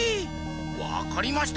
わかりました！